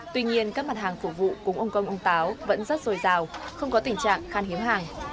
tuy nhiên các mặt hàng phục vụ cúng ông công ông táo vẫn rất dồi dào không có tình trạng khan hiếm hàng